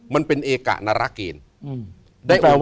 มันเป็นเอกะนารเกณฑ์